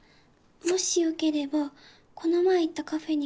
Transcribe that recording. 「もし良ければこの前行ったカフェに」